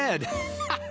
ハハハハ！